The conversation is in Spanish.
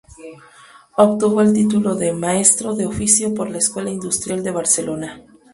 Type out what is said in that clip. Obtuvo el título de "maestro de oficio" por la Escuela Industrial de Barcelona.